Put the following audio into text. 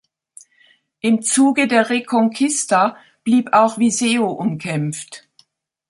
Im Zuge der Reconquista blieb auch Viseu umkämpft.